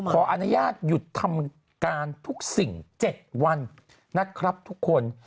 ขออนุญาตหยุดทำการทุกสิ่ง๗วันนะครับทุกคน